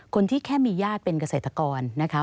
แค่มีญาติเป็นเกษตรกรนะคะ